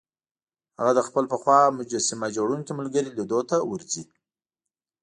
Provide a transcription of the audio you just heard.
هغه د خپل پخوا مجسمه جوړوونکي ملګري لیدو ته ورځي